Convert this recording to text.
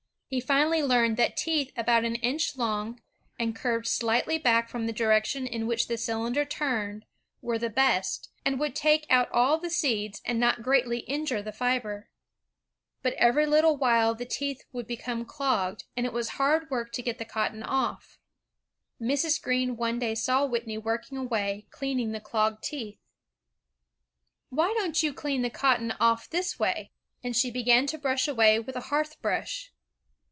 He finally learned that teeth about an inch long, and curved slightly back from the direction in which the cylinder turned, were the best, and would take out all the seeds and not greatly injure the fiber. But every little while the teeth would become clogged, and it was hard work to get the cotton off. Mrs. Greene one day saw Whitney working away, cleaning the clogged teeth. "Why don't you clean the cotton off this way?" and she began to brush away with a hearth brush.